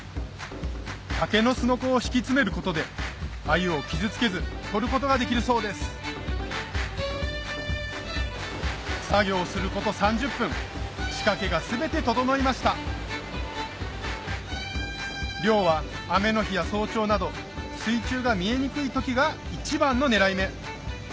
竹のすのこを敷き詰めることで鮎を傷つけず取ることができるそうです作業すること３０分仕掛けが全て整いました漁は雨の日や早朝など水中が見えにくい時が一番の狙い目